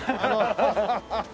ハハハハハ。